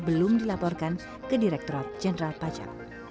belum dilaporkan ke direkturat jenderal pajak